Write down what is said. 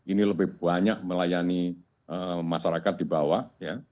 ini lebih banyak melayani masyarakat di bawah ya